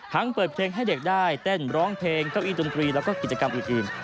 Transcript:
ทั้งเปิดเพลงให้เด็กได้แต้นร้องเพลงเก้าอี้จงกรีและกิจกรรมอีก